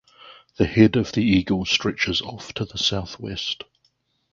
The head of the eagle stretches off to the southwest.